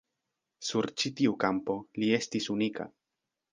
Sur ĉi tiu kampo li estis unika.